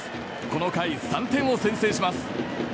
この回３点を先制します。